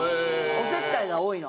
おせっかいが多いの。